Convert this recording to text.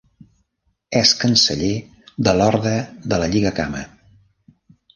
És canceller de l'Orde de la Lligacama.